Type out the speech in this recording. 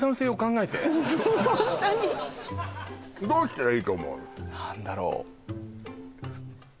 ホントにどうしたらいいと思う？